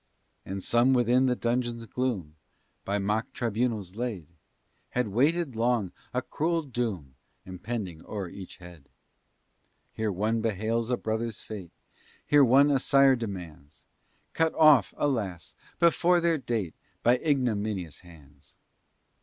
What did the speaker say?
And some within the dungeon's gloom, By mock tribunals laid, Had waited long a cruel doom Impending o'er each head. Here one bewails a brother's fate, There one a sire demands, Cut off, alas! before their date, By ignominious hands.